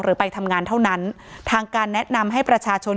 ไปทำงานเท่านั้นทางการแนะนำให้ประชาชน